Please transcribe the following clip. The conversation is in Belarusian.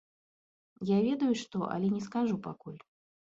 Я ведаю што, але не скажу пакуль.